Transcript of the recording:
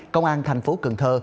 công an thành phố cần thơ